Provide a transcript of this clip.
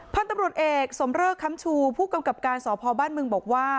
พันธุ์ตำรวจเอกสมเริกค้ำชูผู้กำกับการสพบ้านเมืองบอกว่า